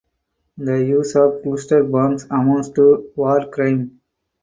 The use of cluster bombs amounts to war crime.